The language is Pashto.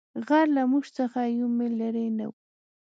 غر له موږ څخه یو مېل لیرې نه وو.